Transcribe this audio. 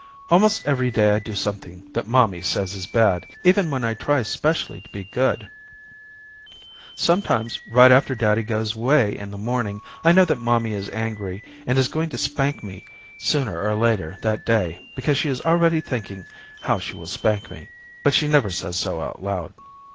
Almost every day I do something that mommy says is bad even when I try specially to be good. Sometimes right after daddy goes away in the morning I know that mommy is angry and is going to spank me sooner or later that day because she is already thinking how she will spank me, but she never says so out loud.